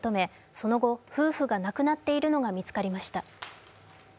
その後、夫婦が亡くなっているのが見つかりました。